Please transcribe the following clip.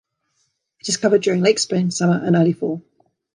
It is covered during late spring, summer and early fall.